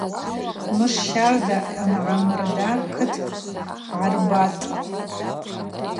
Мыш щарда ангӏамырда кыткӏ гӏарбатӏ.